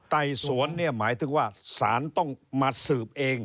ไต่สวนเนี่ยหมายถึงว่าสารต้องมาสืบเอง